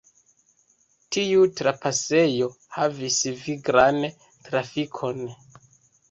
Tiu trapasejo havis viglan trafikon.